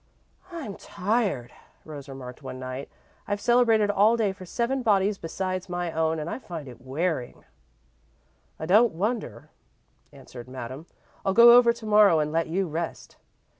"I'm tired," Rose remarked, one night. "I've cerebrated all day for seven bodies besides my own and I find it wearing." "I don't wonder," answered Madame. "I'll go over to morrow and let you rest."